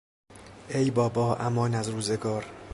ای بابا!، امان از روزگار!